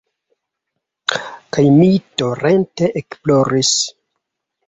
Kaj mi torente ekploris.